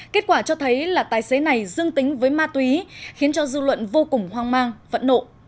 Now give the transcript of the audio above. kết quả cho thấy là tài xế này dương tính với ma túy khiến cho dư luận vô cùng hoang mang phẫn nộ